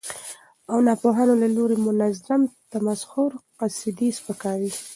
او ناپوهانو له لوري منظم تمسخر، قصدي سپکاوي،